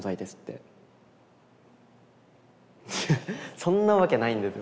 そんなわけないんですよ。